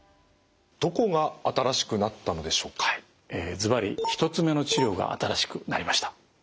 ずばり１つ目の治療が新しくなりました。